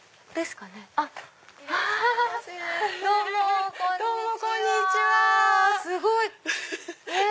すごい！え！